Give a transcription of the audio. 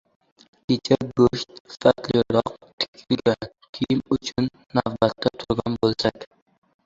Kecha go‘sht, sifatliroq tikilgan kiyim uchun navbatda turgan bo'lsak